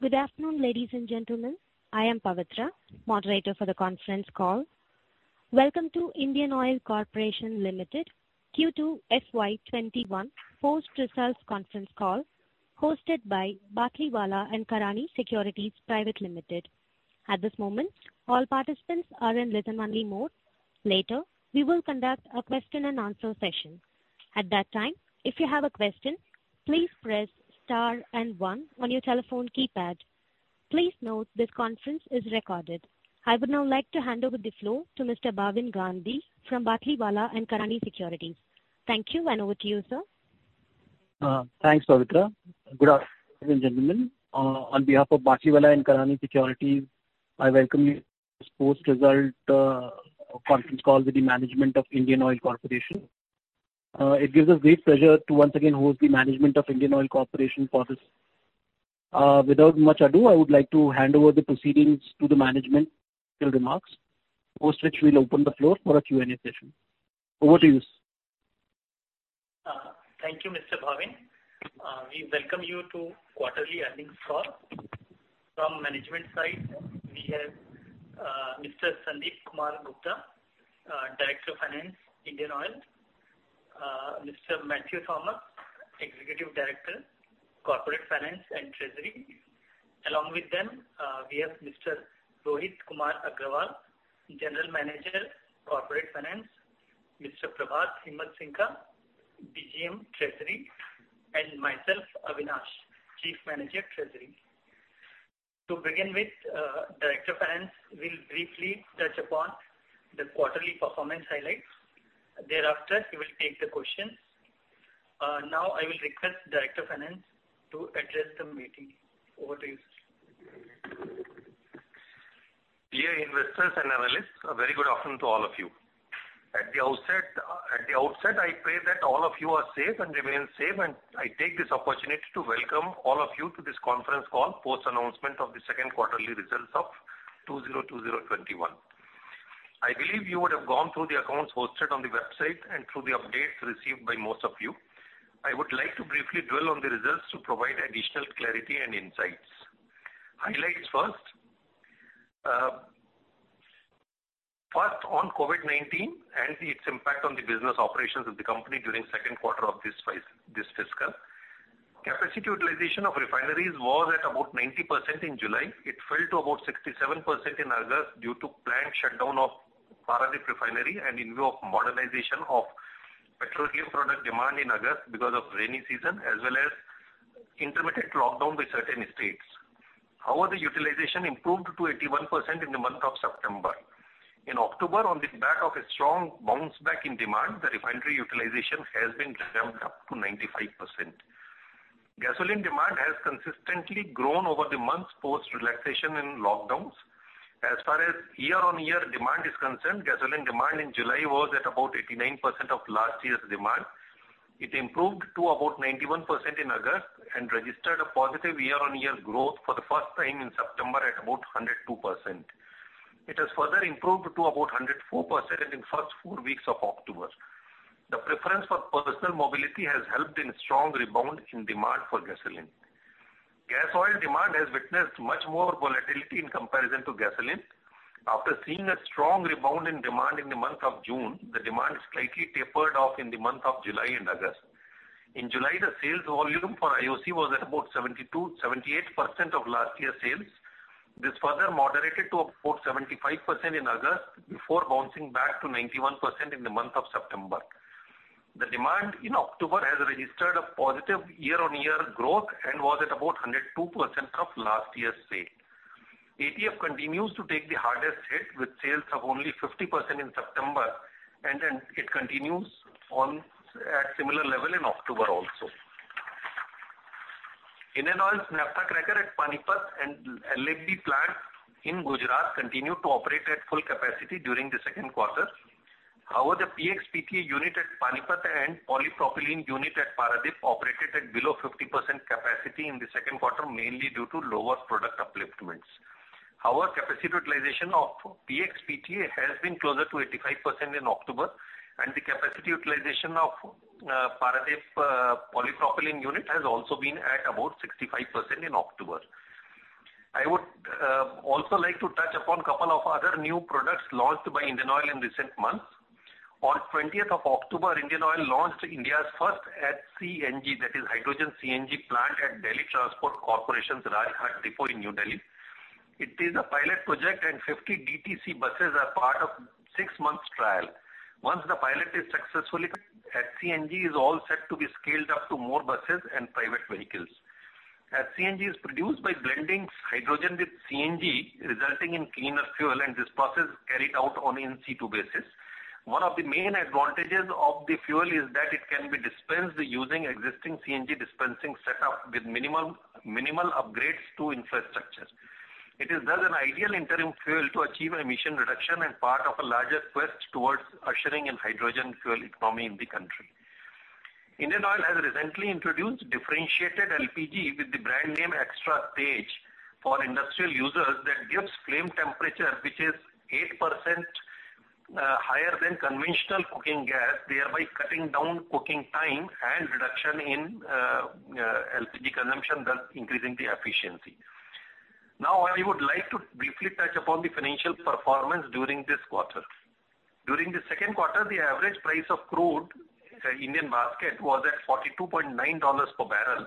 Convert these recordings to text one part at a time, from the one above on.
Good afternoon, ladies and gentlemen. I am Pavitra, moderator for the conference call. Welcome to Indian Oil Corporation Limited Q2 FY 2021 Post Results Conference Call, hosted by Batlivala & Karani Securities Private Limited. At this moment, all participants are in listen-only mode. Later, we will conduct a question and answer session. At that time, if you have a question, please press star and one on your telephone keypad. Please note this conference is recorded. I would now like to hand over the floor to Mr. Bhavin Gandhi from Batlivala & Karani Securities. Thank you, and over to you, sir. Thanks, Pavitra. Good afternoon, ladies and gentlemen. On behalf of Batlivala & Karani Securities, I welcome you to this post result conference call with the management of Indian Oil Corporation. It gives us great pleasure to once again host the management of Indian Oil Corporation for this. Without much ado, I would like to hand over the proceedings to the management for remarks, after which we'll open the floor for a Q&A session. Over to you, sir. Thank you, Mr. Bhavin. We welcome you to quarterly earnings call. From management side, we have Mr. Sandeep Kumar Gupta, Director of Finance, Indian Oil. Mr. Mathew Thomas, Executive Director, Corporate Finance and Treasury. Along with them, we have Mr. Rohit Kumar Agrawala, General Manager, Corporate Finance. Mr. Prabhat Himatsingka, DGM Treasury, and myself, Avinash, Chief Manager, Treasury. To begin with, Director of Finance will briefly touch upon the quarterly performance highlights. Thereafter, he will take the questions. Now I will request Director Finance to address the meeting. Over to you, sir. Dear investors and analysts, a very good afternoon to all of you. At the outset, I pray that all of you are safe and remain safe. I take this opportunity to welcome all of you to this conference call, post announcement of the second quarterly results of 2020/21. I believe you would have gone through the accounts hosted on the website and through the updates received by most of you. I would like to briefly dwell on the results to provide additional clarity and insights. Highlights first. First, on COVID-19 and its impact on the business operations of the company during second quarter of this fiscal. Capacity utilization of refineries was at about 90% in July. It fell to about 67% in August due to planned shutdown of Paradip Refinery and in view of moderation of petroleum product demand in August because of rainy season, as well as intermittent lockdown by certain states. The utilization improved to 81% in the month of September. In October, on the back of a strong bounce back in demand, the refinery utilization has been ramped up to 95%. Gasoline demand has consistently grown over the months post relaxation in lockdowns. As far as year-on-year demand is concerned, gasoline demand in July was at about 89% of last year's demand. It improved to about 91% in August and registered a positive year-on-year growth for the first time in September at about 102%. It has further improved to about 104% in the first four weeks of October. The preference for personal mobility has helped in strong rebound in demand for gasoline. Gas oil demand has witnessed much more volatility in comparison to gasoline. After seeing a strong rebound in demand in the month of June, the demand slightly tapered off in the month of July and August. In July, the sales volume for IOC was at about 78% of last year's sales. This further moderated to about 75% in August before bouncing back to 91% in the month of September. The demand in October has registered a positive year-on-year growth and was at about 102% of last year's sale. ATF continues to take the hardest hit, with sales of only 50% in September, and it continues at similar level in October also. Indian Oil's naphtha cracker at Panipat and LAB plant in Gujarat continued to operate at full capacity during the second quarter. The PX/PTA unit at Panipat and polypropylene unit at Paradip operated at below 50% capacity in the second quarter, mainly due to lower product upliftments. Capacity utilization of PX/PTA has been closer to 85% in October, and the capacity utilization of Paradip polypropylene unit has also been at about 65% in October. I would also like to touch upon a couple of other new products launched by Indian Oil in recent months. On 20th of October, Indian Oil launched India's first H-CNG, that is hydrogen CNG plant at Delhi Transport Corporation's Rajghat depot in New Delhi. It is a pilot project, and 50 DTC buses are part of six months trial. Once the pilot is successful, H-CNG is all set to be scaled up to more buses and private vehicles. H-CNG is produced by blending hydrogen with CNG, resulting in cleaner fuel. This process is carried out on in-situ basis. One of the main advantages of the fuel is that it can be dispensed using existing CNG dispensing setup with minimal upgrades to infrastructure. It is thus an ideal interim fuel to achieve emission reduction and part of a larger quest towards ushering in hydrogen fuel economy in the country. Indian Oil has recently introduced differentiated LPG with the brand name Indane XTRATEJ for industrial users that gives flame temperature which is 8% higher than conventional cooking gas, thereby cutting down cooking time and reduction in LPG consumption, thus increasing the efficiency. I would like to briefly touch upon the financial performance during this quarter. During the second quarter, the average price of crude in the Indian market was at $42.9 per barrel,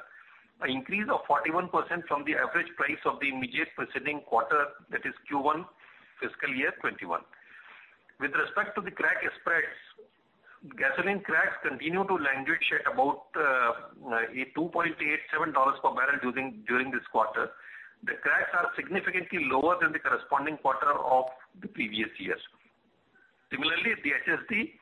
an increase of 41% from the average price of the immediate preceding quarter, that is Q1, fiscal year '21. With respect to the crack spreads, gasoline cracks continued to languish at about $2.87 per barrel during this quarter. The cracks are significantly lower than the corresponding quarter of the previous year. Similarly, the HSD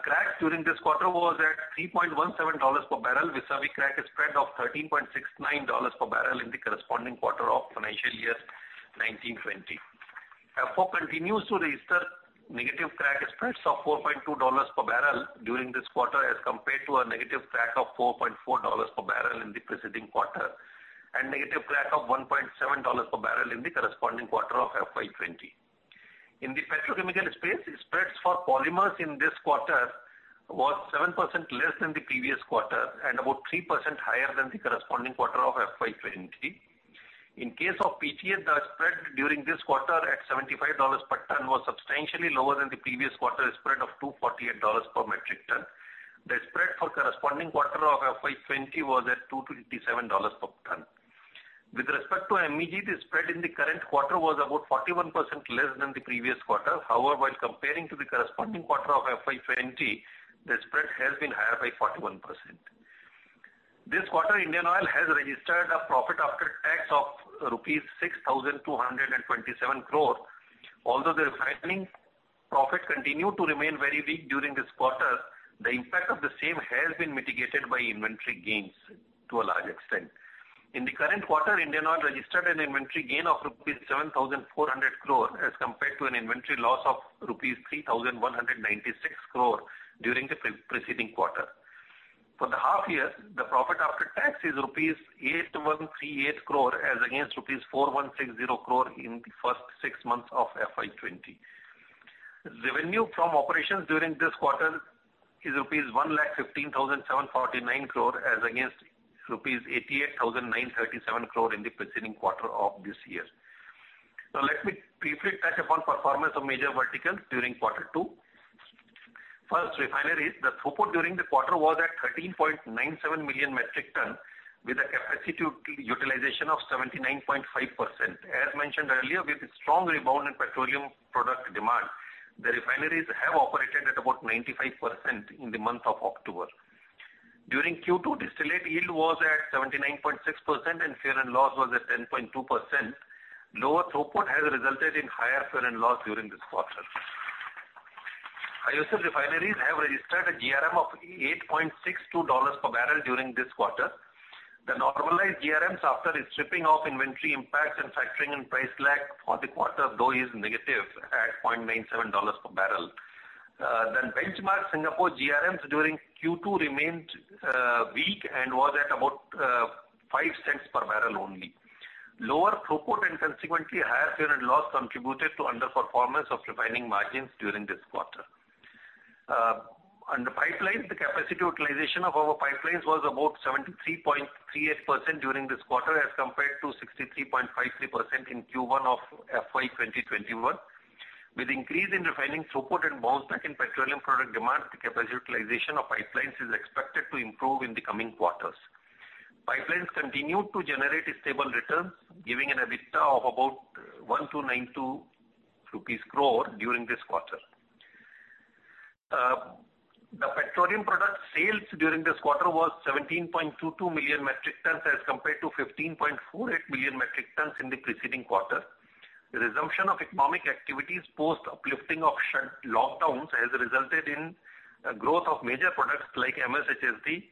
crack during this quarter was at $3.17 per barrel, vis-à-vis crack spread of $13.69 per barrel in the corresponding quarter of financial year 19/20. FO continues to register negative crack spreads of $4.20 per barrel during this quarter, as compared to a negative crack of $4.40 per barrel in the preceding quarter, and negative crack of $1.70 per barrel in the corresponding quarter of FY 2020. In the petrochemical space, spreads for polymers in this quarter were 7% less than the previous quarter and about 3% higher than the corresponding quarter of FY 2020. In case of PTA, the spread during this quarter at $75 per ton was substantially lower than the previous quarter spread of $248 per metric ton. The spread for corresponding quarter of FY 2020 was at $227 per ton. With respect to MEG, the spread in the current quarter was about 41% less than the previous quarter. However, comparing to the corresponding quarter of FY 2020, the spread has been higher by 41%. This quarter, Indian Oil has registered a profit after tax of rupees 6,227 crore. Although the refining profit continued to remain very weak during this quarter, the impact of the same has been mitigated by inventory gains to a large extent. In the current quarter, Indian Oil registered an inventory gain of INR 7,400 crores as compared to an inventory loss of INR 3,196 crore during the preceding quarter. For the half year, the profit after tax is INR 8,138 crore as against INR 4,160 crore in the first six months of FY20. Revenue from operations during this quarter is rupees 115,749 crore as against rupees 88,937 crore in the preceding quarter of this year. Let me briefly touch upon performance of major verticals during quarter two. First, refineries. The throughput during the quarter was at 13.97 million metric ton with a capacity utilization of 79.5%. As mentioned earlier, with a strong rebound in petroleum product demand, the refineries have operated at about 95% in the month of October. During Q2, distillate yield was at 79.6% and fuel and loss was at 10.2%. Lower throughput has resulted in higher fuel and loss during this quarter. IOC refineries have registered a GRM of $8.62 per barrel during this quarter. The normalized GRMs after stripping off inventory impacts and factoring in price lag for the quarter, though, is negative at $0.97 per barrel. Benchmark Singapore GRMs during Q2 remained weak and was at about $0.05 per barrel only. Lower throughput and consequently higher fuel and loss contributed to underperformance of refining margins during this quarter. On the pipelines, the capacity utilization of our pipelines was about 73.38% during this quarter as compared to 63.53% in Q1 of FY 2021. With increase in refining throughput and bounce back in petroleum product demand, the capacity utilization of pipelines is expected to improve in the coming quarters. Pipelines continued to generate stable returns, giving an EBITDA of about 1,292 crore rupees during this quarter. The petroleum product sales during this quarter was 17.22 million metric tons as compared to 15.48 million metric tons in the preceding quarter. The resumption of economic activities post uplifting of lockdowns has resulted in growth of major products like MS, HSD.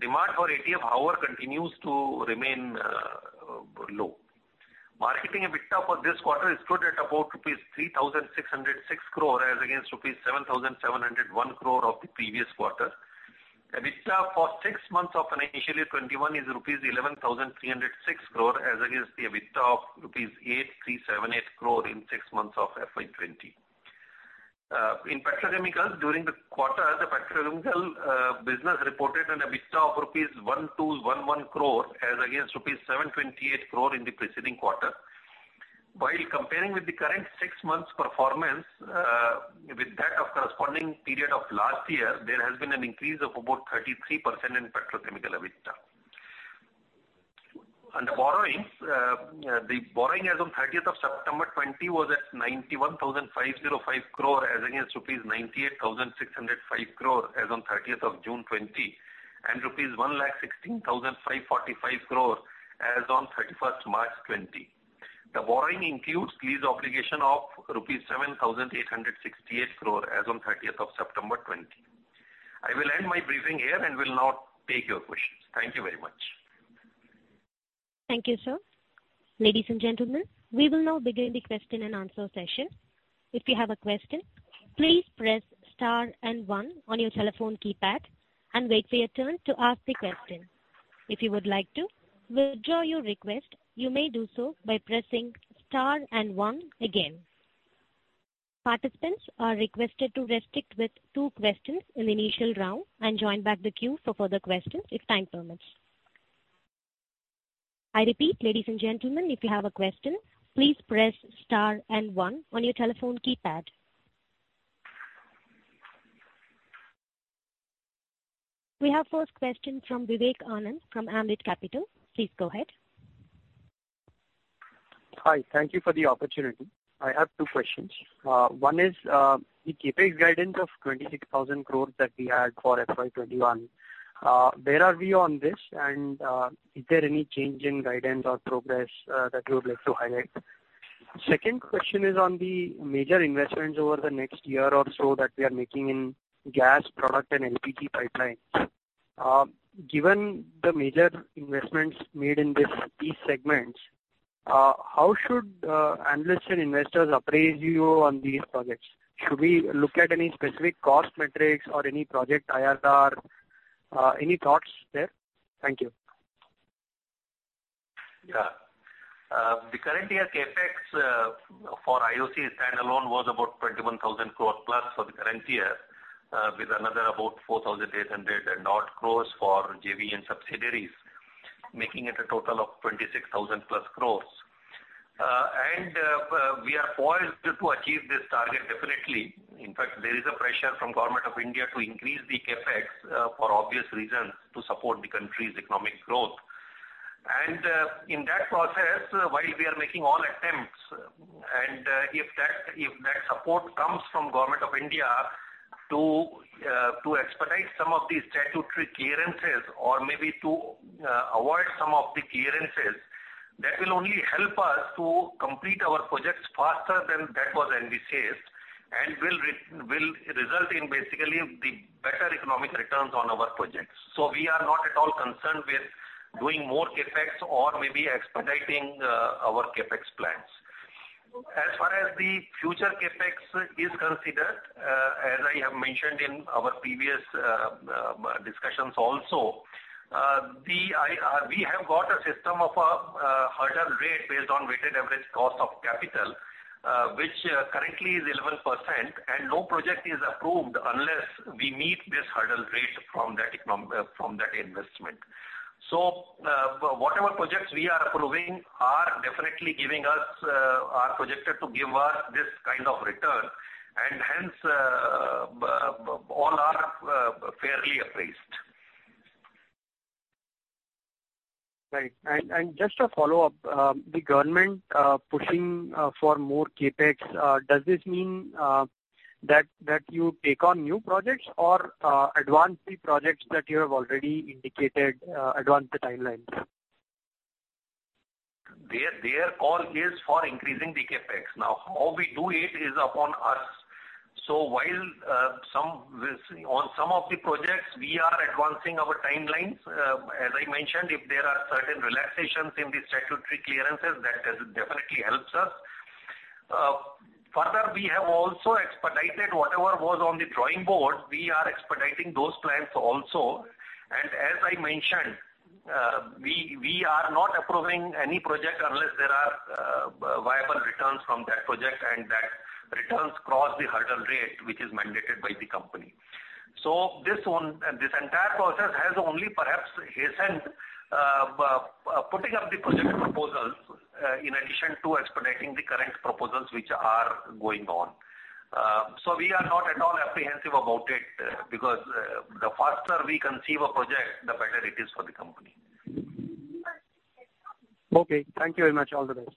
Demand for ATF, however, continues to remain low. Marketing EBITDA for this quarter stood at about INR 3,606 crore as against INR 7,701 crore of the previous quarter. EBITDA for six months of FY21 is INR 11,306 crore as against the EBITDA of INR 8,378 crore in six months of FY20. In petrochemicals, during the quarter, the petrochemical business reported an EBITDA of rupees 1,211 crore as against rupees 728 crore in the preceding quarter. While comparing with the current six months performance with that of corresponding period of last year, there has been an increase of about 33% in petrochemical EBITDA. On the borrowings, the borrowing as on 30th September 2020 was at 91,505 crore as against INR 98,605 crore as on 30th June 2020, and INR 116,545 crore as on 31st March 2020. The borrowing includes lease obligation of rupees 7,868 crore as on 30th September 2020. I will end my briefing here and will now take your questions. Thank you very much. Thank you, sir. Ladies and gentlemen, we will now begin the question and answer session. If you have a question, please press star and one on your telephone keypad and wait for your turn to ask the question. If you would like to withdraw your request, you may do so by pressing * and 1 again. Participants are requested to restrict to two questions in the initial round and join back the queue for further questions if time permits. I repeat, ladies and gentlemen, if you have a question, please press * and 1 on your telephone keypad. We have first question from Vivek Anand from Ambit Capital. Please go ahead. Hi. Thank you for the opportunity. I have two questions. One is, the CapEx guidance of 26,000 crore that we had for FY21. Where are we on this and is there any change in guidance or progress that you would like to highlight? Second question is on the major investments over the next year or so that we are making in gas product and LPG pipelines. Given the major investments made in these segments, how should analysts and investors appraise you on these projects? Should we look at any specific cost metrics or any project IRR? Any thoughts there? Thank you. Yeah. The current year CapEx for IOC standalone was about 21,000 crore plus for the current year, with another about 4,800 and odd crore for JV and subsidiaries, making it a total of 26,000 crore plus. We are poised to achieve this target definitely. In fact, there is a pressure from Government of India to increase the CapEx for obvious reasons, to support the country's economic growth. In that process, while we are making all attempts, and if that support comes from Government of India to expedite some of these statutory clearances or maybe to avoid some of the clearances, that will only help us to complete our projects faster than that was envisaged, and will result in basically the better economic returns on our projects. We are not at all concerned with doing more CapEx or maybe expediting our CapEx plans. As far as the future CapEx is considered, as I have mentioned in our previous discussions also, we have got a system of a hurdle rate based on weighted average cost of capital, which currently is 11%, and no project is approved unless we meet this hurdle rate from that investment. Whatever projects we are approving are definitely projected to give us this kind of return, and hence all are fairly appraised. Right. Just a follow-up, the government pushing for more CapEx, does this mean that you take on new projects or advance the projects that you have already indicated, advance the timelines? Their call is for increasing the CapEx. How we do it is upon us. While on some of the projects we are advancing our timelines, as I mentioned, if there are certain relaxations in the statutory clearances, that definitely helps us. Further, we have also expedited whatever was on the drawing board. We are expediting those plans also. As I mentioned, we are not approving any project unless there are viable returns from that project, and that returns cross the hurdle rate which is mandated by the company. This entire process has only perhaps hastened putting up the project proposals in addition to expediting the current proposals which are going on. We are not at all apprehensive about it, because the faster we conceive a project, the better it is for the company. Okay. Thank you very much. All the best.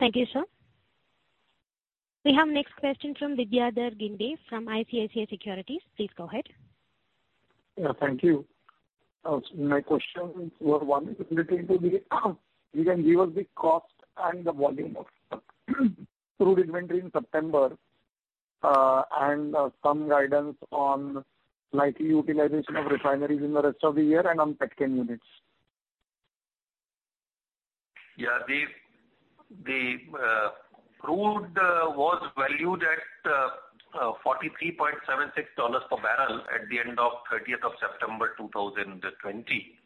Thank you, sir. We have next question from Vidyadhar Ginde from ICICI Securities. Please go ahead. Yeah, thank you. My question is, you can give us the cost and the volume of crude inventory in September, and some guidance on likely utilization of refineries in the rest of the year and on Petchem units. Yeah. The crude was valued at $43.76 per barrel at the end of 30th of September 2020.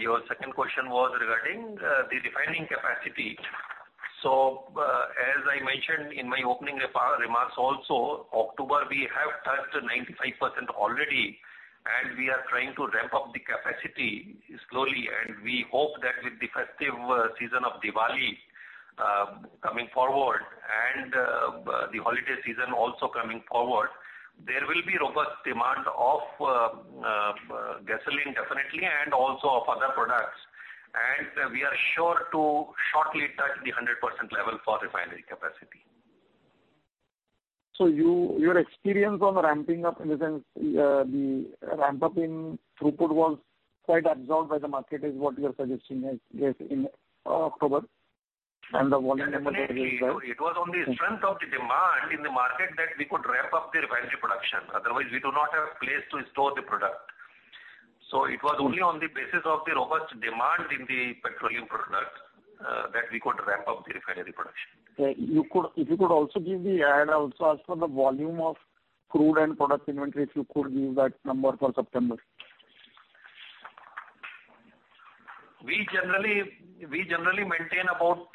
Your second question was regarding the refining capacity. As I mentioned in my opening remarks also, October we have touched 95% already, and we are trying to ramp up the capacity slowly. We hope that with the festive season of Diwali coming forward, and the holiday season also coming forward, there will be robust demand of gasoline definitely, and also of other products. We are sure to shortly touch the 100% level for refinery capacity. Your experience on ramping up, in the sense the ramp-up in throughput was quite absorbed by the market, is what you're suggesting in October, and the volume as well. It was on the strength of the demand in the market that we could ramp up the refinery production. Otherwise, we do not have place to store the product. It was only on the basis of the robust demand in the petroleum product that we could ramp up the refinery production. Also as for the volume of crude and product inventory, if you could give that number for September. We generally maintain about,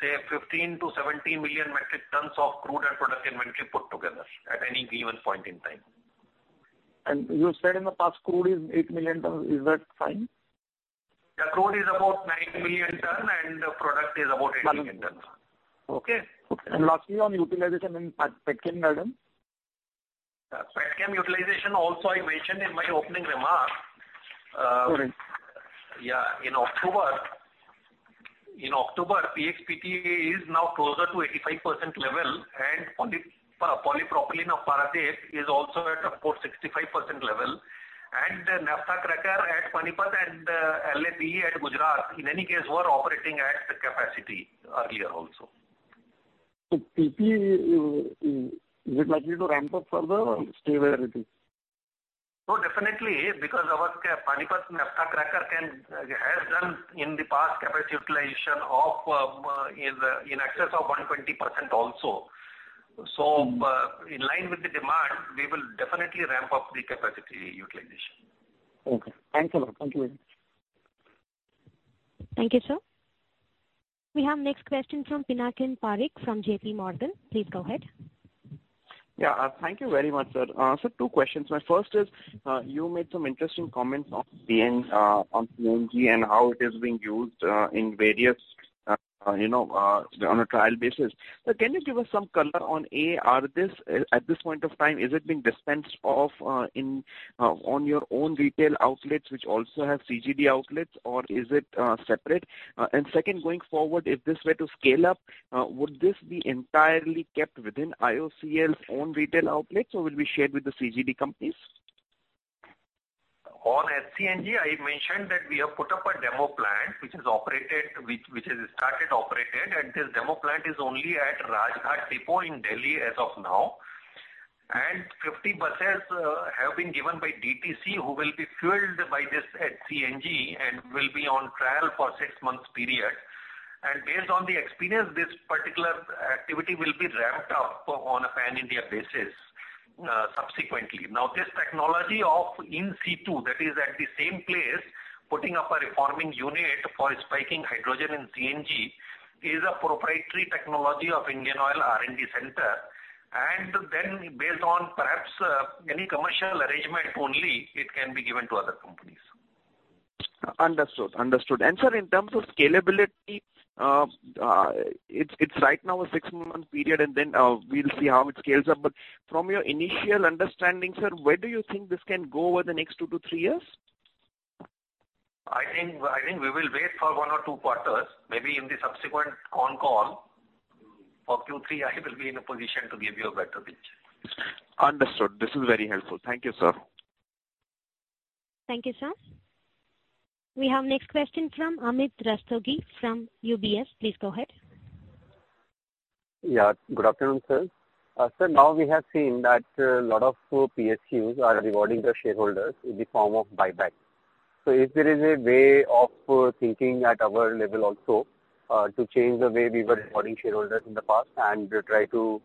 say, 15 million metric tons-17 million metric tons of crude and product inventory put together at any given point in time. You said in the past, crude is 8 million tons. Is that fine? Yeah, crude is about 9 million ton and product is about 8 million ton. Okay. Lastly, on utilization in Petchem, madam. Petchem utilization also I mentioned in my opening remark. Correct. Yeah. In October, PX/PTA is now closer to 85% level and polypropylene of Paradip is also at, of course, 65% level. The naphtha cracker at Panipat and LAB at Gujarat, in any case, were operating at capacity earlier also. PP, is it likely to ramp up further or stay where it is? No, definitely, because our Panipat naphtha cracker has done in the past capacity utilization in excess of 120% also. In line with the demand, we will definitely ramp up the capacity utilization. Okay. Thanks a lot. Thank you very much. Thank you, sir. We have next question from Pinakin Parekh from J.P. Morgan. Please go ahead. Yeah. Thank you very much, sir. Sir, two questions. My first is, you made some interesting comments on CNG and how it is being used on a trial basis. Sir, can you give us some color on, A, at this point of time, is it being dispensed off on your own retail outlets, which also have CGD outlets, or is it separate? Second, going forward, if this were to scale up, would this be entirely kept within IOCL's own retail outlets, or will be shared with the CGD companies? On H-CNG, I mentioned that we have put up a demo plant, which has started operating, and this demo plant is only at Rajghat depot in Delhi as of now. 50 buses have been given by DTC, who will be fueled by this H-CNG and will be on trial for 6 months period. Based on the experience, this particular activity will be ramped up on a pan-India basis subsequently. This technology of in-situ, that is at the same place, putting up a reforming unit for spiking hydrogen in CNG, is a proprietary technology of IndianOil R&D Centre. Then based on perhaps any commercial arrangement only, it can be given to other companies. Understood. Sir, in terms of scalability, it's right now a six-month period and then we'll see how it scales up. From your initial understanding, sir, where do you think this can go over the next two to three years? I think we will wait for one or two quarters, maybe in the subsequent con call for Q3, I will be in a position to give you a better picture. Understood. This is very helpful. Thank you, sir. Thank you, sir. We have next question from Amit Rustagi from UBS. Please go ahead. Yeah. Good afternoon, sir. Sir, we have seen that a lot of PSUs are rewarding their shareholders in the form of buyback. Is there a way of thinking at our level also, to change the way we were rewarding shareholders in the past and try to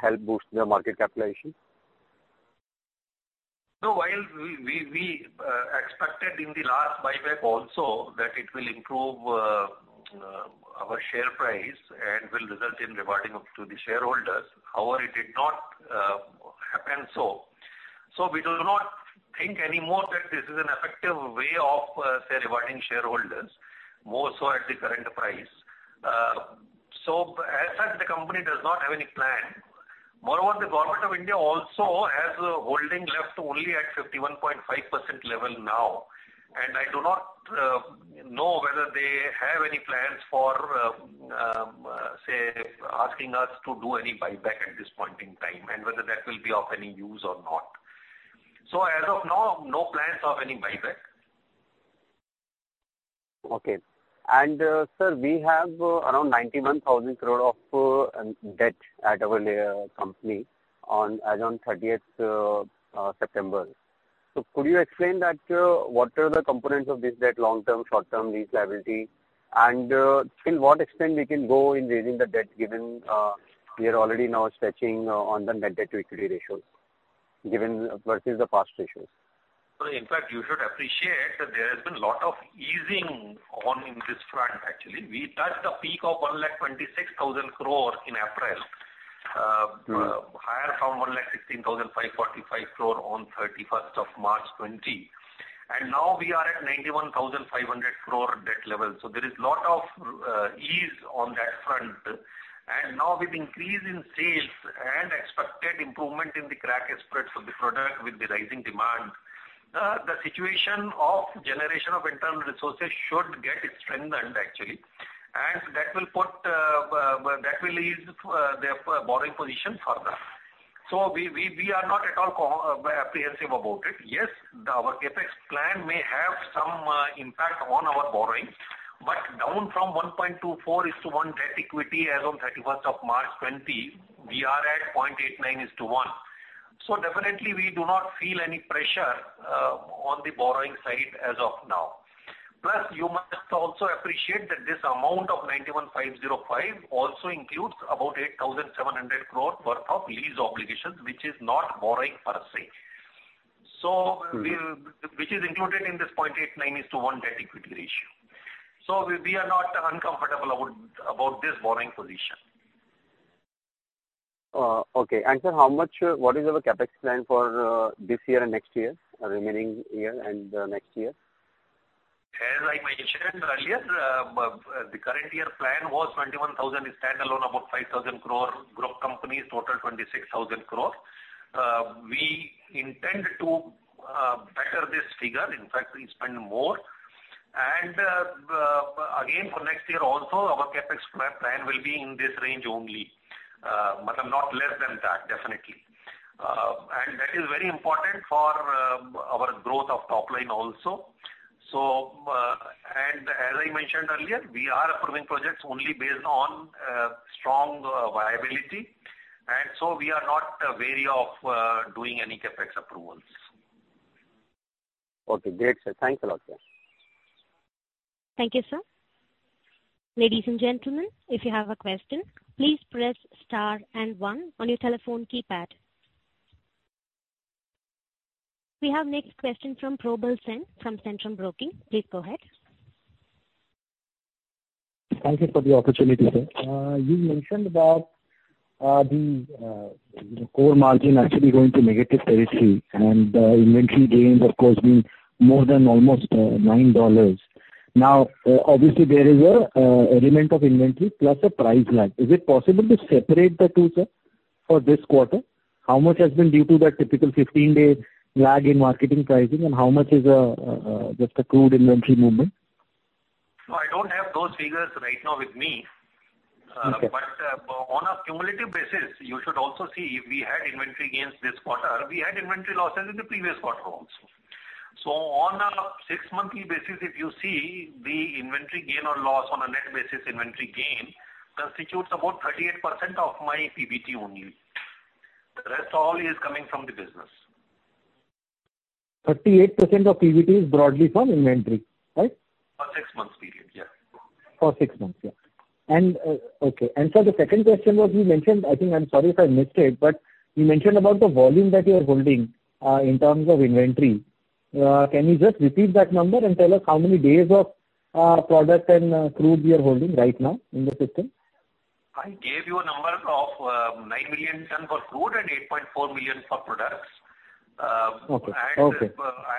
help boost the market capitalization? No, while we expected in the last buyback also that it will improve our share price and will result in rewarding to the shareholders. It did not happen so. We do not think anymore that this is an effective way of, say, rewarding shareholders, more so at the current price. As such, the company does not have any plan. The Government of India also has a holding left only at 51.5% level now, and I do not know whether they have any plans for, say, asking us to do any buyback at this point in time, and whether that will be of any use or not. As of now, no plans of any buyback. Okay. Sir, we have around 91,000 crore of debt at our company as on 30th September. Could you explain that what are the components of this debt, long-term, short-term, lease liability, and till what extent we can go in raising the debt given we are already now stretching on the net debt to equity ratio versus the past ratios? In fact, you should appreciate that there has been lot of easing on this front, actually. We touched a peak of 126,000 crore in April. Higher from 116,545 crore on 31st of March 2020. Now we are at 91,500 crore debt level. There is lot of ease on that front. Now with increase in sales and expected improvement in the crack spreads for the product with the rising demand, the situation of generation of internal resources should get strengthened, actually. That will ease their borrowing position further. We are not at all apprehensive about it. Yes, our CapEx plan may have some impact on our borrowing, down from 1.24:1 debt equity as on 31st of March 2020, we are at 0.89:1. Definitely, we do not feel any pressure on the borrowing side as of now. Plus, you must also appreciate that this amount of 91,505 also includes about 8,700 crore worth of lease obligations, which is not borrowing per se, which is included in this 0.89:1 debt equity ratio. We are not uncomfortable about this borrowing position. Okay. Sir, what is our CapEx plan for this year and next year, remaining year and next year? As I mentioned earlier, the current year plan was 21,000 standalone, about 5,000 crore group companies, total 26,000 crore. We intend to better this figure. In fact, we spend more. Again, for next year also, our CapEx plan will be in this range only. Not less than that, definitely. That is very important for our growth of top line also. As I mentioned earlier, we are approving projects only based on strong viability, we are not wary of doing any CapEx approvals. Okay, great, sir. Thanks a lot, sir. Thank you, sir. Ladies and gentlemen, if you have a question, please press Star and One on your telephone keypad. We have next question from Probal Sen from Centrum Broking. Please go ahead. Thank you for the opportunity, sir. You mentioned about the core margin actually going to negative INR 33 and the inventory gains, of course, being more than almost INR 9. Obviously, there is an element of inventory plus a price lag. Is it possible to separate the two, sir, for this quarter? How much has been due to that typical 15-day lag in marketing pricing and how much is just the crude inventory movement? No, I don't have those figures right now with me. Okay. On a cumulative basis, you should also see if we had inventory gains this quarter, we had inventory losses in the previous quarter also. On a six-monthly basis, if you see the inventory gain or loss on a net basis, inventory gain constitutes about 38% of my PBT only. The rest all is coming from the business. 38% of PBT is broadly from inventory, right? For six months period, yeah. For six months, yeah. Okay. Sir, the second question was you mentioned, I think, I'm sorry if I missed it, you mentioned about the volume that you are holding in terms of inventory. Can you just repeat that number and tell us how many days of product and crude we are holding right now in the system? I gave you a number of 9 million ton for crude and 8.4 million for products. Okay. I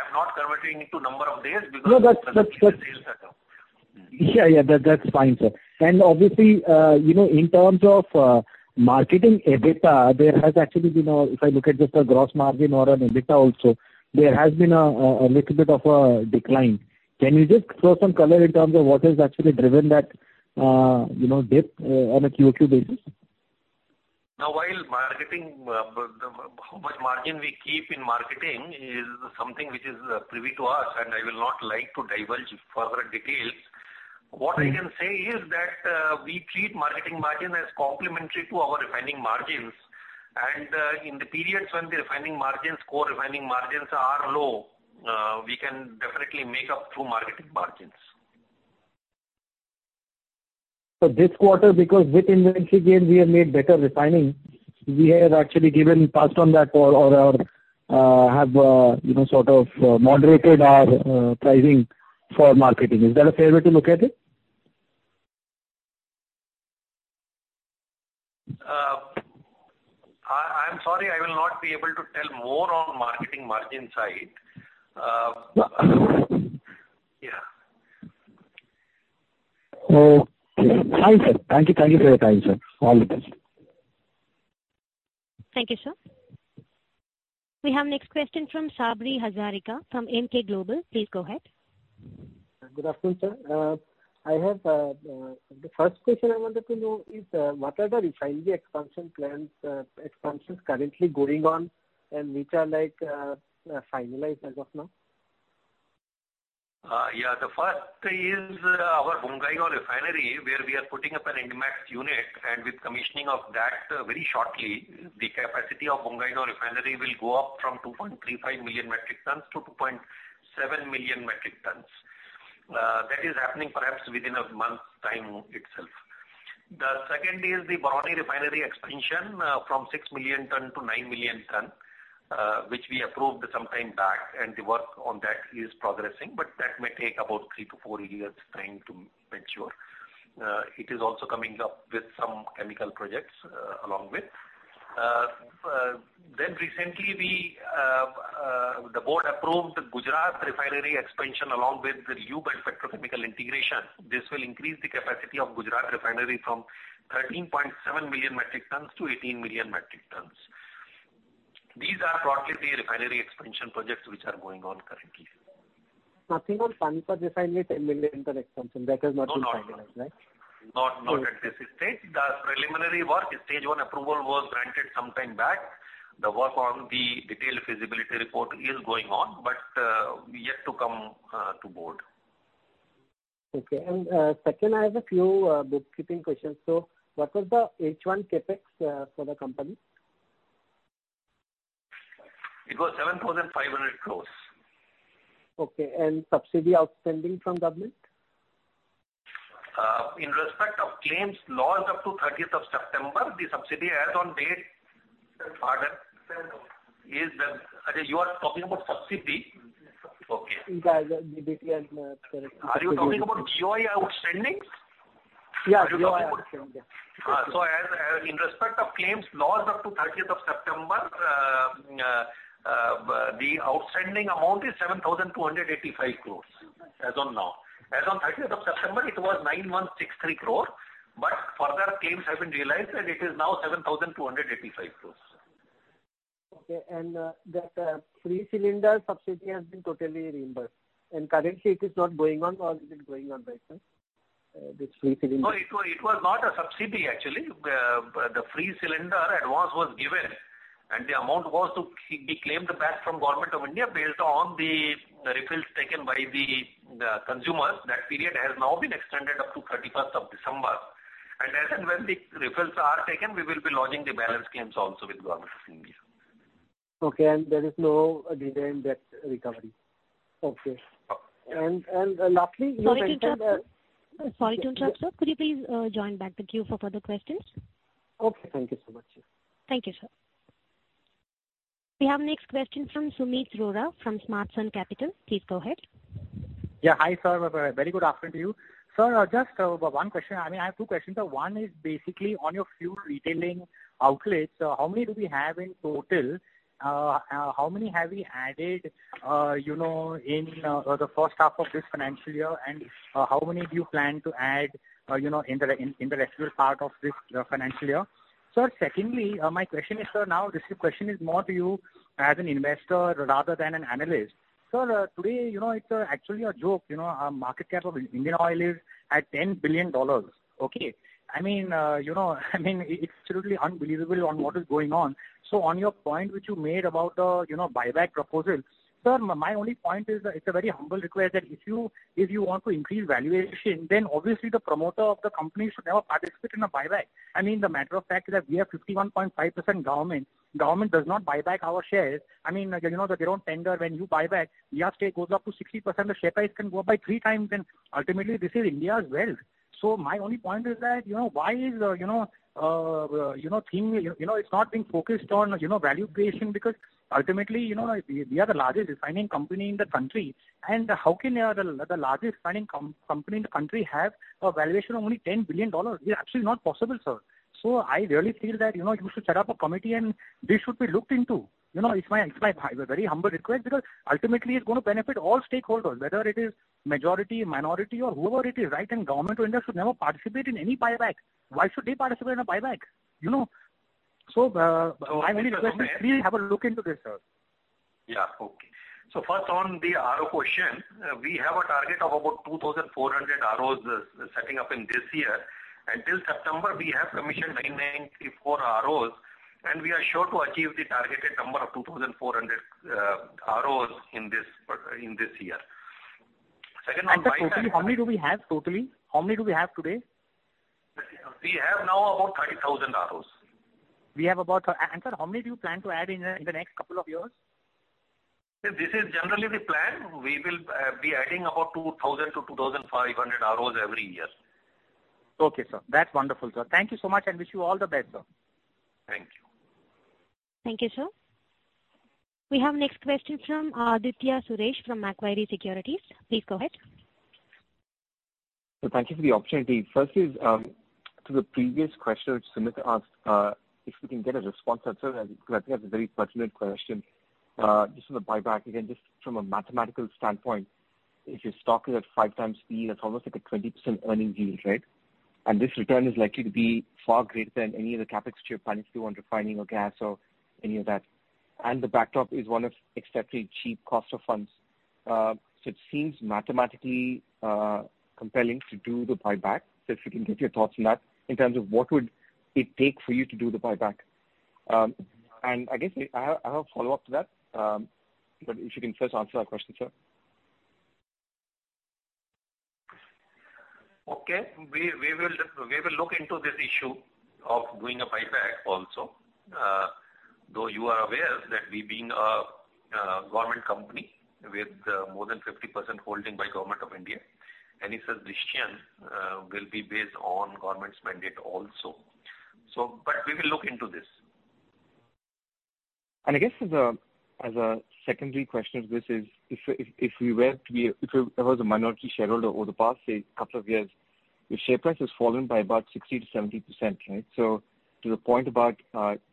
am not converting into number of days because. No. sales set up. Yeah. That's fine, sir. Obviously, in terms of marketing EBITDA, if I look at just the gross margin or an EBITDA also, there has been a little bit of a decline. Can you just throw some color in terms of what has actually driven that dip on a QOQ basis? While how much margin we keep in marketing is something which is privy to us, I will not like to divulge further details. What I can say is that we treat marketing margin as complementary to our refining margins. In the periods when the refining margins, core refining margins are low, we can definitely make up through marketing margins. This quarter, because with inventory gains, we have made better refining. We have actually passed on that or have sort of moderated our pricing for marketing. Is that a fair way to look at it? I'm sorry, I will not be able to tell more on marketing margin side. Okay. Fine, sir. Thank you for your time, sir. All the best. Thank you, sir. We have next question from Sabri Hazarika from Emkay Global. Please go ahead. Good afternoon, sir. The first question I wanted to know is, what are the refinery expansion plans, expansions currently going on and which are finalized as of now? Yeah. The first is our Bongaigaon Refinery, where we are putting up an INDMAX unit, and with commissioning of that very shortly, the capacity of Bongaigaon Refinery will go up from 2.35 million metric tons to 2.7 million metric tons. That is happening perhaps within a month's time itself. The second is the Barauni Refinery expansion from 6 million ton to 9 million ton, which we approved some time back, and the work on that is progressing, but that may take about three to four years' time to mature. It is also coming up with some chemical projects along with. Recently, the board approved Gujarat Refinery expansion along with the Lube and Petrochemical integration. This will increase the capacity of Gujarat Refinery from 13.7 million metric tons to 18 million metric tons. These are broadly the refinery expansion projects which are going on currently. Nothing on Panipat Refinery 10 million ton expansion. That has not been finalized, right? No. Not at this stage. The preliminary work, stage 1 approval was granted some time back. The work on the detailed feasibility report is going on, but we're yet to come to board. Okay. Second, I have a few bookkeeping questions. What was the H1 CapEx for the company? It was 7,500 crores. Okay, subsidy outstanding from government? In respect of claims launched up to 30th of September, the subsidy as on date, you are talking about subsidy? Okay. Yes. Are you talking about GOI outstandings? Yeah, GOI outstanding. In respect of claims launched up to 30th of September, the outstanding amount is 7,285 crore, as on now. As on 30th of September, it was 9,163 crore, but further claims have been realized, and it is now 7,285 crore. Okay. That free cylinder subsidy has been totally reimbursed, and currently it is not going on or is it going on right now, this free cylinder? No, it was not a subsidy actually. The free cylinder advance was given, and the amount was to be claimed back from Government of India based on the refills taken by the consumers. That period has now been extended up to 31st of December. As and when the refills are taken, we will be launching the balance claims also with Government of India. Okay, there is no delay in that recovery. Okay. Okay. And lastly- Sorry to interrupt, sir. Could you please join back the queue for further questions? Okay, thank you so much. Thank you, sir. We have next question from Sumeet Arora from Smart Sun Capital. Please go ahead. Hi, sir. Very good afternoon to you. Sir, just one question. I have two questions. One is on your fuel retailing outlets. How many do we have in total? How many have we added in the first half of this financial year? How many do you plan to add in the rest part of this financial year? Sir, secondly, my question is, sir. This question is more to you as an investor rather than an analyst. Sir, today, it's actually a joke. Market cap of Indian Oil is at $10 billion. Okay. It's truly unbelievable on what is going on. On your point which you made about buyback proposal, sir, my only point is it's a very humble request that if you want to increase valuation, then obviously the promoter of the company should never participate in a buyback. The matter of fact is that we have 51.5% Government. Government does not buy back our shares. They don't tender when you buy back. We have share goes up to 60%, the share price can go up by three times, ultimately this is India's wealth. My only point is that, why is It's not being focused on value creation because ultimately, we are the largest refining company in the country. How can the largest refining company in the country have a valuation of only $10 billion? It is absolutely not possible, sir. I really feel that you should set up a committee, and this should be looked into. It's my very humble request because ultimately, it's going to benefit all stakeholders, whether it is majority, minority, or whoever it is. Government of India should never participate in any buyback. Why should they participate in a buyback? My only request is please have a look into this, sir. Yeah. Okay. First on the RO question, we have a target of about 2,400 ROs setting up in this year, and till September, we have commissioned 994 ROs, and we are sure to achieve the targeted number of 2,400 ROs in this year. Second one. Sir, totally, how many do we have totally? How many do we have today? We have now about 30,000 ROs. Sir, how many do you plan to add in the next couple of years? This is generally the plan. We will be adding about 2,000 to 2,500 ROs every year. Okay, sir. That's wonderful, sir. Thank you so much. Wish you all the best, sir. Thank you. Thank you, sir. We have next question from Aditya Suresh from Macquarie Securities. Please go ahead. Sir, thank you for the opportunity. First is, to the previous question which Sumeet asked, if we can get a response. That's a very pertinent question. Just on the buyback again, just from a mathematical standpoint, if your stock is at five times P/E, that's almost like a 20% earning yield. This return is likely to be far greater than any of the CapEx that you're planning to do on refining or gas or any of that. The backdrop is one of exceptionally cheap cost of funds. It seems mathematically compelling to do the buyback. If you can give your thoughts on that in terms of what would it take for you to do the buyback. I guess I have a follow-up to that, but if you can first answer that question, sir. Okay. We will look into this issue of doing a buyback also. You are aware that we being a government company with more than 50% holding by Government of India, any decision will be based on government's mandate also. We will look into this. I guess as a secondary question to this is, if I was a minority shareholder over the past, say, couple of years, the share price has fallen by about 60%-70%. To the point about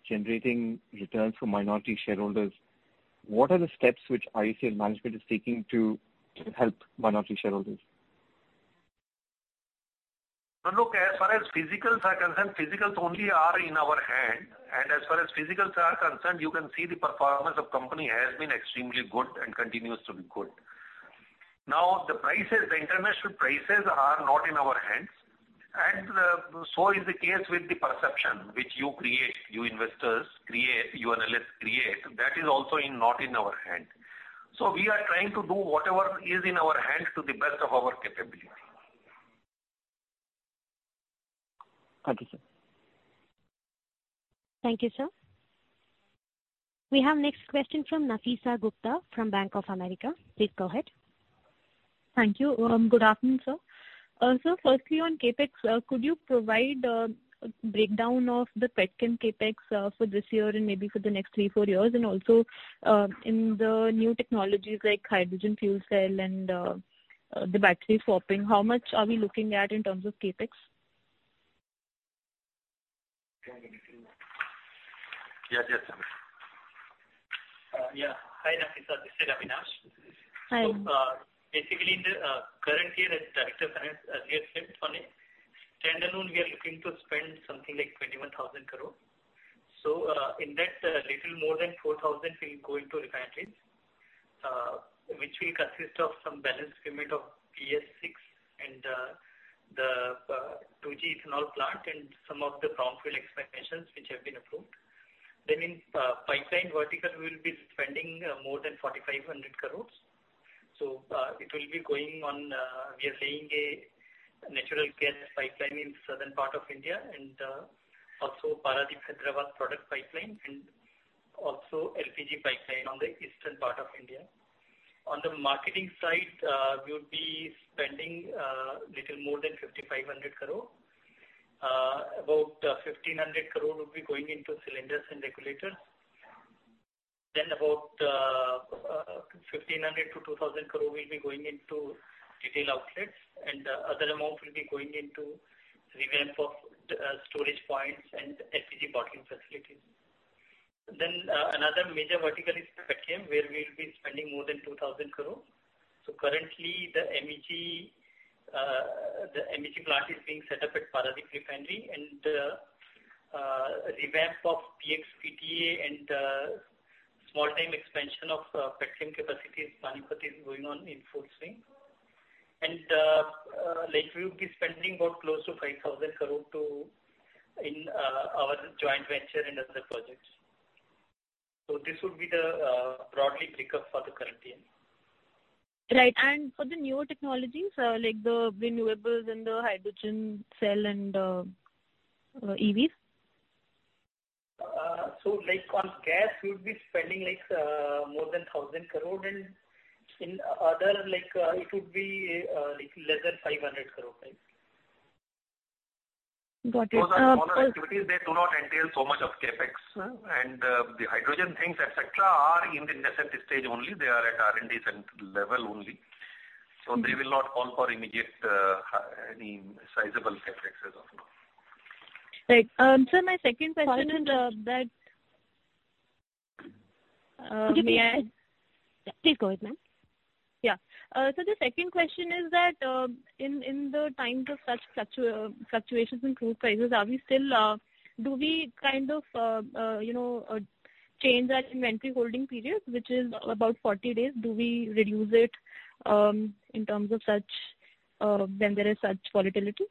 generating returns for minority shareholders, what are the steps which IOCL management is taking to help minority shareholders? Look, as far as physicals are concerned, physicals only are in our hand. As far as physicals are concerned, you can see the performance of company has been extremely good and continues to be good. The international prices are not in our hands. So is the case with the perception which you create, you investors create, you analysts create, that is also not in our hand. We are trying to do whatever is in our hands to the best of our capability. Thank you, sir. Thank you, sir. We have next question from Nafeesa Gupta from Bank of America. Please go ahead. Thank you. Good afternoon, sir. Sir, firstly, on CapEx, could you provide a breakdown of the Petchem CapEx for this year and maybe for the next three, four years? Also, in the new technologies like hydrogen fuel cell and the battery swapping, how much are we looking at in terms of CapEx? Can we listen now? Yes, Nafeesa. Yeah. Hi, Nafeesa. This is Avinash. Hi. Basically, in the current year, as Director Finance, mentioned. We are looking to spend something like 21,000 crore. In that, little more than 4,000 will go into refineries, which will consist of some balance payment of BS-VI and the 2G ethanol plant and some of the product fuel expansions which have been approved. In pipeline vertical, we will be spending more than 4,500 crores. It will be going on, we are laying a natural gas pipeline in southern part of India and also Paradip-Hyderabad product pipeline and also LPG pipeline on the eastern part of India. On the marketing side, we would be spending little more than 5,500 crore. About 1,500 crore will be going into cylinders and regulators. About 1,500 to 2,000 crore will be going into retail outlets. Other amount will be going into revamp of storage points and LPG bottling facilities. Another major vertical is Petchem, where we'll be spending more than 2,000 crore. Currently, the MEG plant is being set up at Paradip refinery and revamp of PX/PTA and small time expansion of Petchem capacity in Panipat is going on in full swing. We will be spending about close to 5,000 crore in our joint venture and other projects. This would be the broadly breakup for the current year. Right. For the newer technologies, like the renewables and the hydrogen cell and EVs? On gas, we would be spending more than 1,000 crore, and in other, it would be less than 500 crore. Got it. Those are smaller activities. They do not entail so much of CapEx. The hydrogen things, et cetera, are in the nascent stage only. They are at R&D level only. They will not call for immediate any sizable CapEx as of now. Right. Sir, my second question is that. Yeah, please go ahead, ma'am. Yeah. Sir, the second question is that, in the times of such fluctuations in crude prices, do we change our inventory holding period, which is about 40 days? Do we reduce it when there is such volatility?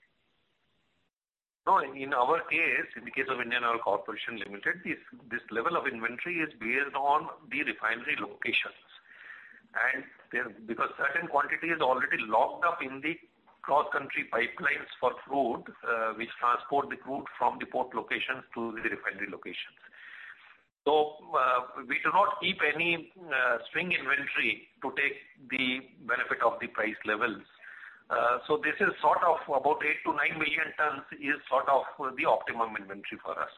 In our case, in the case of Indian Oil Corporation Limited, this level of inventory is based on the refinery locations. Because certain quantity is already locked up in the cross-country pipelines for crude, which transport the crude from the port locations to the refinery locations. We do not keep any swing inventory to take the benefit of the price levels. This is sort of about eight to nine million tons is sort of the optimum inventory for us.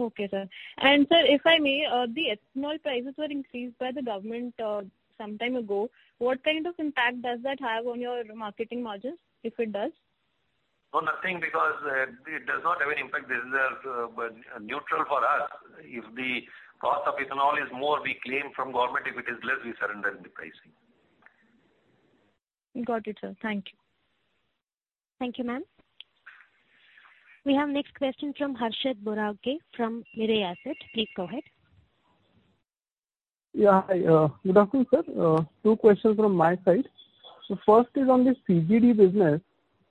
Okay, sir. Sir, if I may, the ethanol prices were increased by the government some time ago. What kind of impact does that have on your marketing margins, if it does? No, nothing, because it does not have an impact. This is neutral for us. If the cost of ethanol is more, we claim from Government. If it is less, we surrender in the pricing. Got it, sir. Thank you. Thank you, ma'am. We have next question from Harshad Borawake from Mirae Asset. Please go ahead. Good afternoon, sir. Two questions from my side. First is on the CGD business.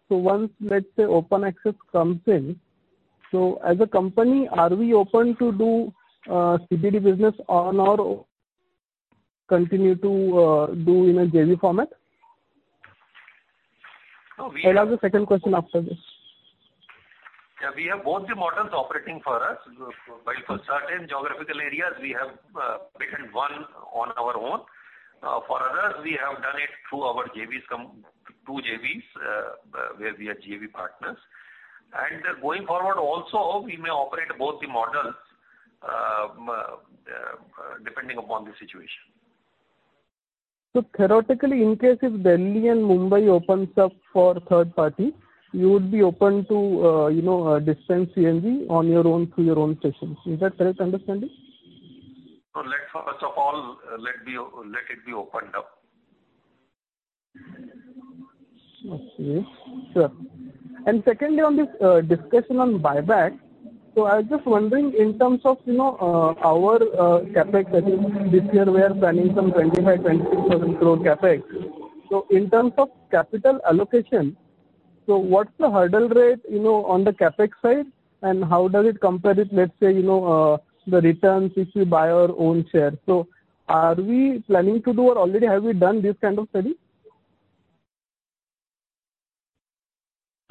Once, let's say, open access comes in, so as a company, are we open to do CGD business on our own or continue to do in a JV format? No, we- I'll ask the second question after this. Yeah, we have both the models operating for us. While for certain geographical areas, we have picked one on our own. For others, we have done it through our JVs, two JVs, where we are JV partners. Going forward also, we may operate both the models, depending upon the situation. Theoretically, in case if Delhi and Mumbai opens up for third party, you would be open to dispense CNG on your own, through your own stations. Is that correct understanding? Let first of all, let it be opened up. Okay. Sure. Secondly, on this discussion on buyback. I was just wondering in terms of our CapEx, I think this year we are planning some 25,000 crore-26,000 crore CapEx. In terms of capital allocation, what's the hurdle rate on the CapEx side and how does it compare with, let's say, the returns if we buy our own share. Are we planning to do or already have we done this kind of study?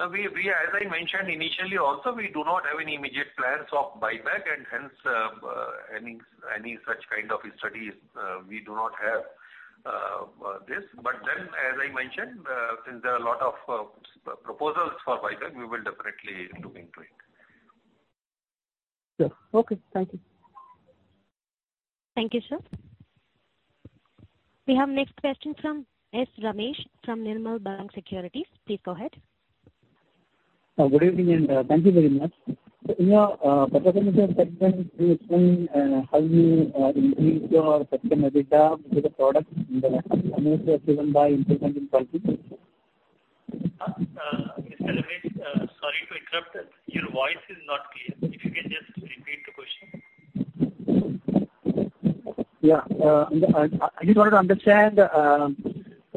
As I mentioned initially also, we do not have any immediate plans of buyback and hence, any such kind of studies, we do not have this. As I mentioned, since there are a lot of proposals for buyback, we will definitely look into it. Sure. Okay. Thank you. Thank you, sir. We have next question from S Ramesh from Nirmal Bang Securities. Please go ahead. Good evening and thank you very much. In your petrochemical segment, can you explain how you increased your petrochemical EBITDA with the products driven by improvement in margins? Mr. Ramesh, sorry to interrupt. Your voice is not clear. If you can just repeat the question. Yeah. I just wanted to understand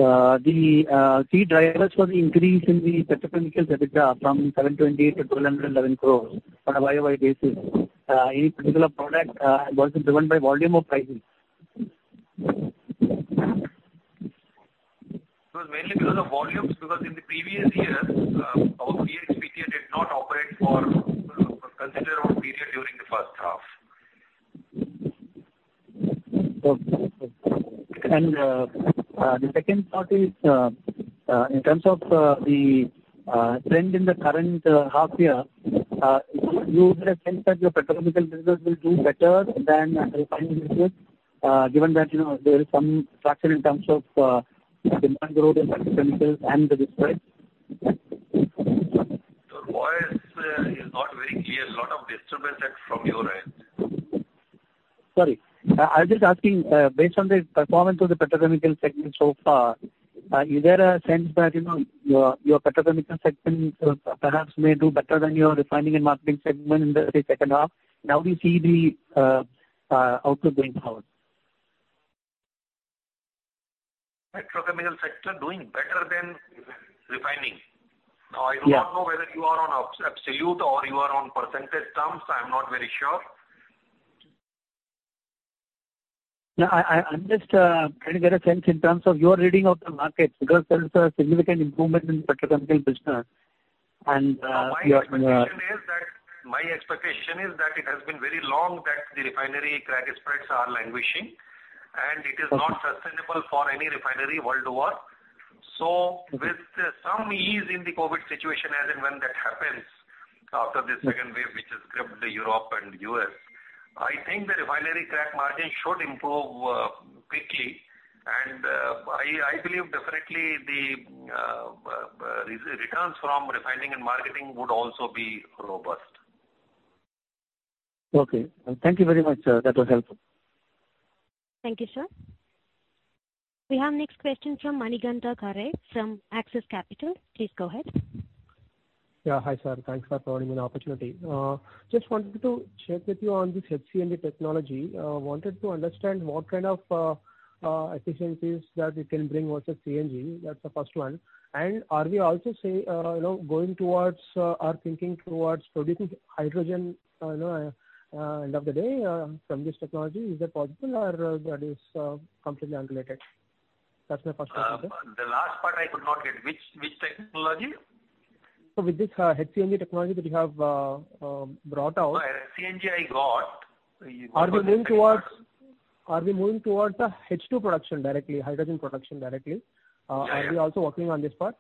the key drivers for the increase in the petrochemical EBITDA from 720 to 1,211 crores on a YOY basis. Any particular product, or was it driven by volume or pricing? It was mainly because of volumes, because in the previous year, our VHPT did not operate for a considerable period during the first half. Okay. The second part is, in terms of the trend in the current half year, would you get a sense that your petrochemical business will do better than the refining business, given that there is some traction in terms of demand growth in petrochemicals and the spread? Your voice is not very clear. A lot of disturbance from your end. Sorry. I was just asking, based on the performance of the petrochemical segment so far, is there a sense that your petrochemical segment perhaps may do better than your refining and marketing segment in the second half? How do you see the output going forward? Petrochemical sector doing better than refining? Yeah. I do not know whether you are on absolute or you are on percentage terms, so I'm not very sure. I'm just trying to get a sense in terms of your reading of the markets, because there is a significant improvement in petrochemical business. My expectation is that it has been very long that the refinery crack spreads are languishing, and it is not sustainable for any refinery world over. With some ease in the COVID situation, as and when that happens after this second wave, which has gripped Europe and U.S., I think the refinery crack margin should improve quickly, and I believe definitely the returns from refining and marketing would also be robust. Okay. Thank you very much, sir. That was helpful. Thank you, sir. We have next question from Manikantha Garre from Axis Capital. Please go ahead. Hi, sir. Thanks for providing me the opportunity. Just wanted to check with you on this H-CNG technology. Wanted to understand what kind of efficiencies that it can bring versus CNG. That's the first one. Are we also going towards or thinking towards producing hydrogen, end of the day, from this technology? Is that possible or that is completely unrelated? That's my first question, sir. The last part I could not get. Which technology? With this H-CNG technology that you have brought out. No, H-CNG, I got. Are we moving towards H2 production directly, hydrogen production directly? Yeah. Are we also working on this part?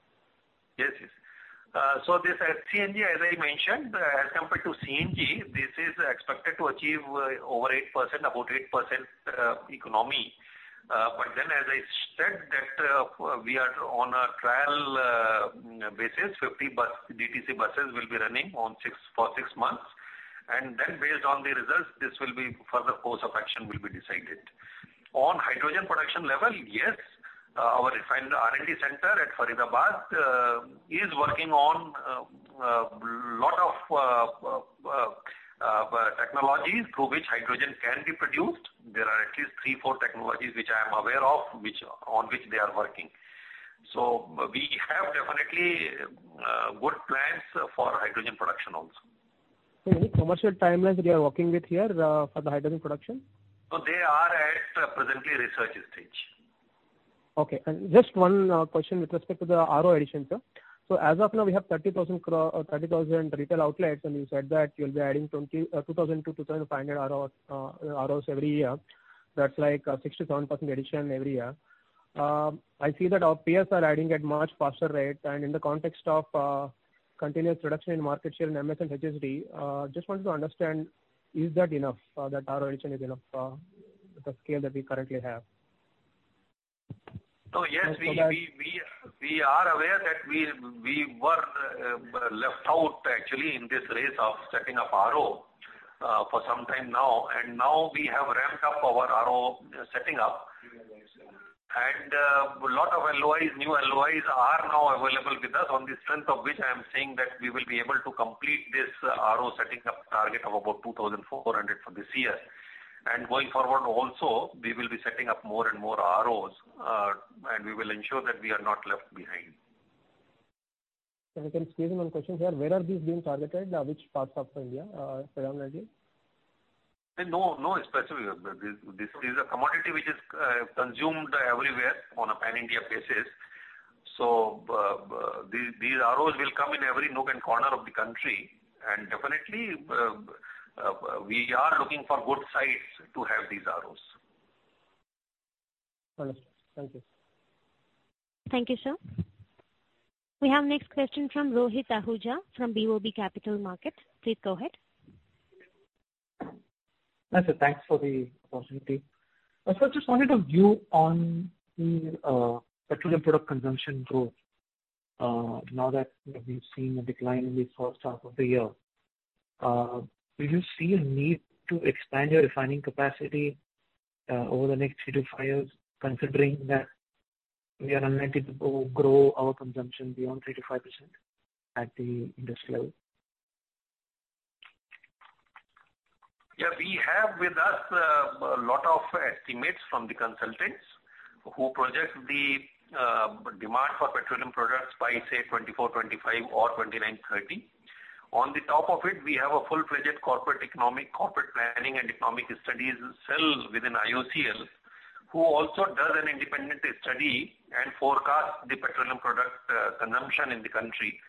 Yes. This H-CNG, as I mentioned, as compared to CNG, this is expected to achieve about 8% economy. As I said that we are on a trial basis, 50 DTC buses will be running for six months. Based on the results, further course of action will be decided. On hydrogen production level, yes. Our refinery R&D Centre at Faridabad is working on a lot of technologies through which hydrogen can be produced. There are at least three, four technologies which I am aware of, on which they are working. We have definitely good plans for hydrogen production also. Any commercial timelines that you are working with here for the hydrogen production? No, they are at presently research stage. Okay. Just one question with respect to the RO addition, sir. As of now, we have 30,000 retail outlets, and you said that you'll be adding 2,000-2,500 ROs every year. That's like a 67% addition every year. I see that our peers are adding at much faster rate, and in the context of continuous reduction in market share in MS and HSD, just wanted to understand, is that enough? That RO addition is enough with the scale that we currently have? Yes. We are aware that we were left out actually in this race of setting up RO. For some time now, and now we have ramped up our RO setting up. A lot of LOIs, new LOIs are now available with us on the strength of which I am saying that we will be able to complete this RO setting up target of about 2,400 for this year. Going forward also, we will be setting up more and more ROs, and we will ensure that we are not left behind. If you can excuse me one question here, where are these being targeted? Which parts of India predominantly? No specific. This is a commodity which is consumed everywhere on a pan-India basis. These ROs will come in every nook and corner of the country, and definitely, we are looking for good sites to have these ROs. Got it. Thank you. Thank you, sir. We have next question from Rohit Ahuja of BOB Capital Markets. Please go ahead. Thanks for the opportunity. Sir, just wanted a view on the petroleum product consumption growth. Now that we've seen a decline in the first half of the year, do you see a need to expand your refining capacity over the next 3-5 years, considering that we are unable to grow our consumption beyond 3%-5% at the industry level? We have with us a lot of estimates from the consultants who project the demand for petroleum products by, say, 2024, 2025 or 2029, 2030. On the top of it, we have a full-fledged corporate economic, corporate planning, and economic studies cell within IOCL, who also does an independent study and forecast the petroleum product consumption in the country.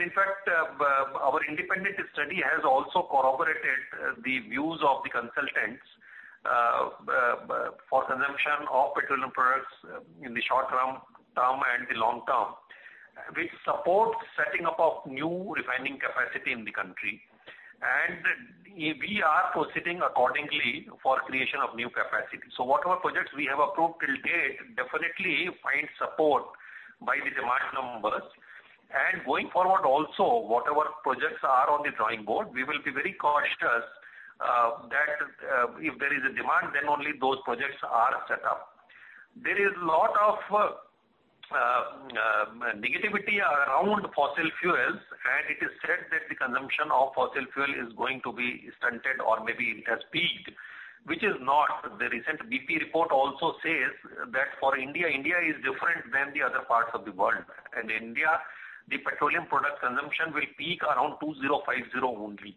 In fact, our independent study has also corroborated the views of the consultants for consumption of petroleum products in the short term and the long term, which supports setting up of new refining capacity in the country. We are proceeding accordingly for creation of new capacity. Whatever projects we have approved till date definitely find support by the demand numbers. Going forward also, whatever projects are on the drawing board, we will be very cautious that if there is a demand, then only those projects are set up. There is lot of negativity around fossil fuels, it is said that the consumption of fossil fuel is going to be stunted or maybe has peaked, which is not. The recent BP report also says that for India is different than the other parts of the world. In India, the petroleum product consumption will peak around 2,050 only.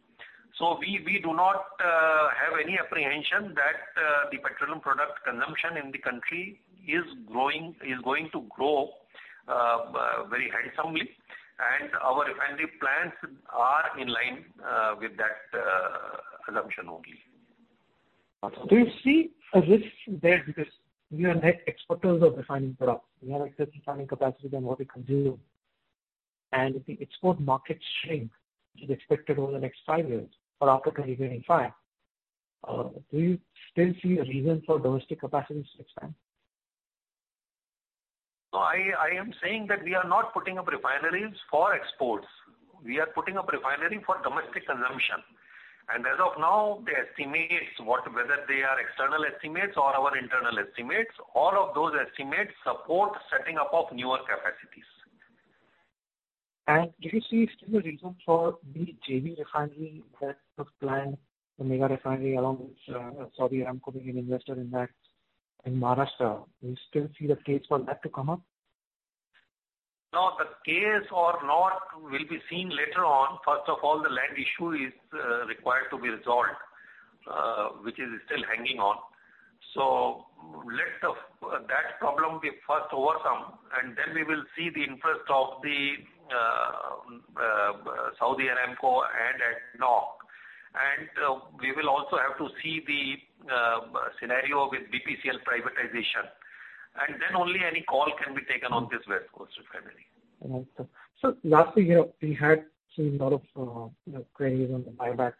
We do not have any apprehension that the petroleum product consumption in the country is going to grow very handsomely, and our refinery plans are in line with that assumption only. Do you see a risk there? We are net exporters of refining products. We have excess refining capacity than what we consume. If the export market shrink, which is expected over the next five years for up to 2025, do you still see a reason for domestic capacity to expand? No. I am saying that we are not putting up refineries for exports. We are putting up refinery for domestic consumption. As of now, the estimates, whether they are external estimates or our internal estimates, all of those estimates support setting up of newer capacities. Do you see still a reason for the JV refinery that was planned, the mega refinery along with Saudi Aramco being an investor in that in Maharashtra? Do you still see the case for that to come up? No. The case or not will be seen later on. First of all, the land issue is required to be resolved, which is still hanging on. Let that problem be first overcome, and then we will see the interest of Saudi Aramco and ADNOC. We will also have to see the scenario with BPCL privatization. Then only any call can be taken on this West Coast refinery. Got it. Sir, last few year, we had seen a lot of queries on the buyback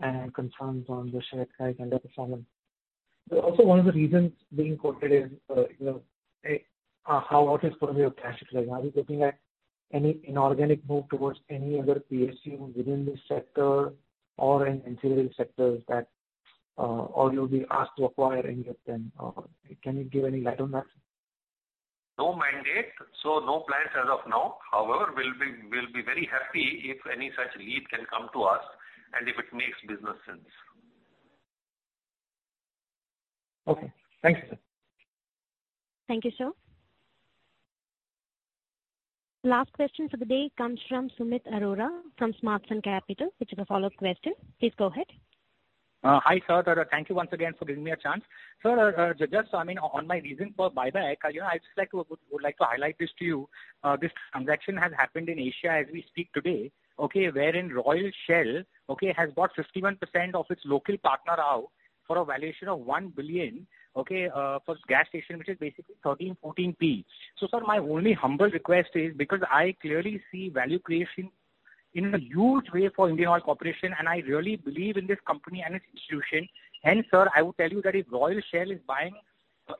and concerns on the share price underperformance. Also, one of the reasons being quoted is, what is going to be your cash flow. Are you looking at any inorganic move towards any other PSU within this sector or in ancillary sectors Or you'll be asked to acquire any of them? Can you give any light on that? No mandate, so no plans as of now. However, we'll be very happy if any such lead can come to us and if it makes business sense. Okay. Thanks. Thank you, sir. Last question for the day comes from Sumeet Arora from Smart Sun Capital, which is a follow-up question. Please go ahead. Hi, sir. Thank you once again for giving me a chance. Sir, just on my reason for buyback, I would like to highlight this to you. This transaction has happened in Asia as we speak today, wherein Royal Shell has bought 51% of its local partner out for a valuation of $1 billion for gas station, which is basically 13, 14 P/E. Sir, my only humble request is because I clearly see value creation in a huge way for Indian Oil Corporation, and I really believe in this company and its institution. Sir, I would tell you that if Royal Shell is buying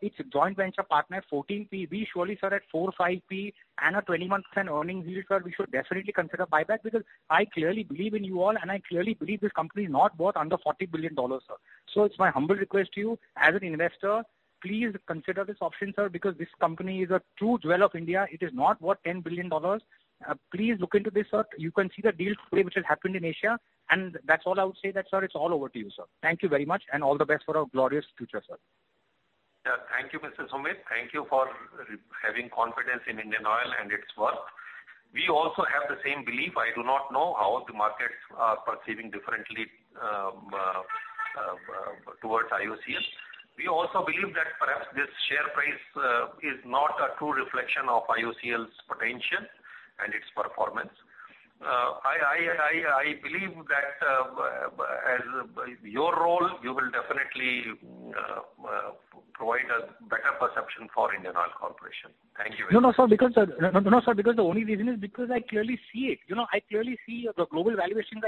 its joint venture partner 14 P/E. We surely, sir, at four, five P/E and a 21% earning yield, sir, we should definitely consider buyback because I clearly believe in you all, and I clearly believe this company is not worth under INR 40 billion, sir. It's my humble request to you as an investor, please consider this option, sir, because this company is a true jewel of India. It is not worth INR 10 billion. Please look into this, sir. You can see the deal today, which has happened in Asia, and that's all I would say that, sir. It's all over to you, sir. Thank you very much and all the best for our glorious future, sir. Thank you, Mr. Sumeet. Thank you for having confidence in Indian Oil and its work. We also have the same belief. I do not know how the markets are perceiving differently towards IOCL. We also believe that perhaps this share price is not a true reflection of IOCL's potential and its performance. I believe that as your role, you will definitely provide a better perception for Indian Oil Corporation. Thank you very much. No, sir. The only reason is because I clearly see it. I clearly see the global valuations.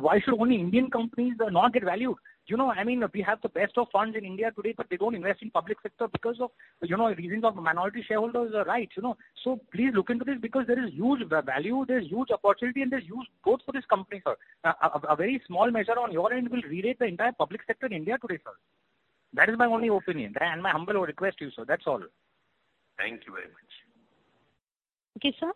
Why should only Indian companies not get valued? We have the best of funds in India today, but they don't invest in public sector because of reasons of minority shareholders rights. Please look into this because there is huge value, there's huge opportunity, and there's huge growth for this company, sir. A very small measure on your end will rerate the entire public sector in India today, sir. That is my only opinion and my humble request to you, sir. That's all. Thank you very much. Okay, sir.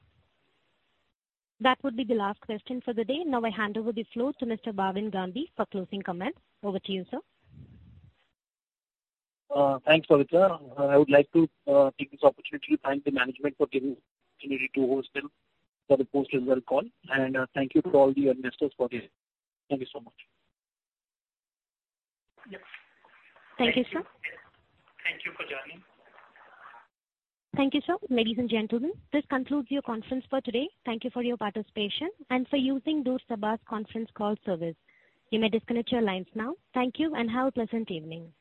That would be the last question for the day. Now I hand over the floor to Mr. Bhavin Gandhi for closing comments. Over to you, sir. Thanks, Pavitra. I would like to take this opportunity to thank the management for giving me the opportunity to host them for the post result call. Thank you to all the investors for giving. Thank you so much. Yes. Thank you, sir. Thank you for joining. Thank you, sir. Ladies and gentlemen, this concludes your conference for today. Thank you for your participation and for using Chorus Call Conference Call Service. You may disconnect your lines now. Thank you and have a pleasant evening.